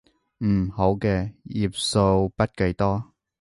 嗯，好嘅，頁數筆記多